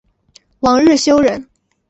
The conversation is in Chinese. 王日休人。